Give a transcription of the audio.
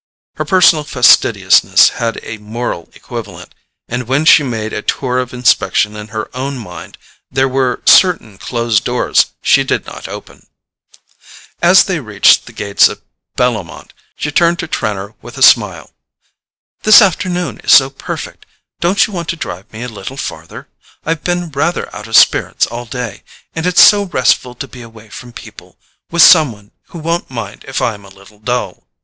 Her personal fastidiousness had a moral equivalent, and when she made a tour of inspection in her own mind there were certain closed doors she did not open. As they reached the gates of Bellomont she turned to Trenor with a smile. "The afternoon is so perfect—don't you want to drive me a little farther? I've been rather out of spirits all day, and it's so restful to be away from people, with some one who won't mind if I'm a little dull."